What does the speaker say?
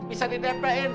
bisa di dp in